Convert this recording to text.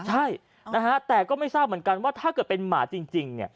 ใช่นะฮะแต่ก็ไม่ทราบเหมือนกันว่าถ้าเกิดเป็นหมาจริง